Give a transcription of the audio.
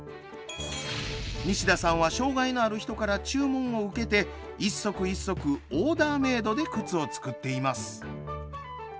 西田さんは障害のある方から注文を受けて一足一足オーダーメードで靴を作っています。